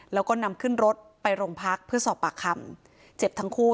แล้วก็นำขึ้นรถไปโรงพักเพื่อสอบปากคำเจ็บทั้งคู่